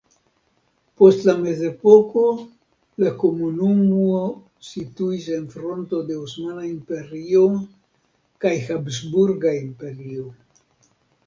Post la mezepoko la komunumo situis en fronto de Osmana Imperio kaj Habsburga Imperio.